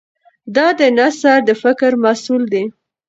د ده نثر د فکر محصول دی.